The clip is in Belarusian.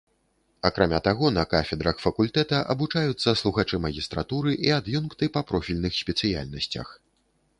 Акрамя таго, на кафедрах факультэта абучаюцца слухачы магістратуры і ад'юнкты па профільных спецыяльнасцях.